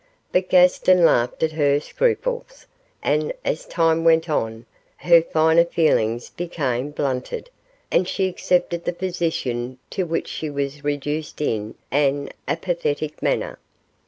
But Gaston laughed at her scruples, and as time went on, her finer feelings became blunted, and she accepted the position to which she was reduced in an apathetic manner.